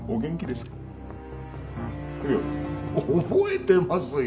いや覚えてますよ